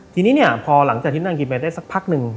ทีนี้เนี่ยพอหลังจากที่นั่งกินไปได้สักพักหนึ่ง